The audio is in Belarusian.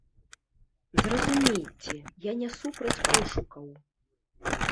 Зразумейце, я не супраць пошукаў.